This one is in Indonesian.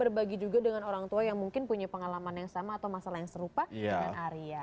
berbagi juga dengan orang tua yang mungkin punya pengalaman yang sama atau masalah yang serupa dengan arya